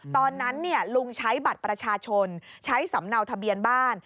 ตอนนั้นลุงใช้บัตรประชาชนใช้สำเนาทะเบียนบ้าน